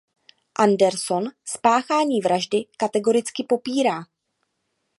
Anderson spáchání vraždy kategoricky popírá.